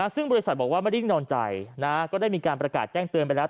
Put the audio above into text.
ซึ่งบริษัทบอกว่าไม่ได้นิ่งนอนใจก็ได้มีการประกาศแจ้งเตือนไปแล้ว